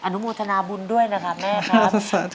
อนุมูธนาบุญด้วยนะคะแม่ครับ